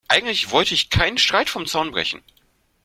Eigentlich wollte ich keinen Streit vom Zaun brechen.